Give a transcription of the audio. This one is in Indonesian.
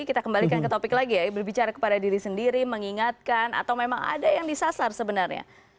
kita kembalikan ke topik lagi ya berbicara kepada diri sendiri mengingatkan atau memang ada yang disasar sebenarnya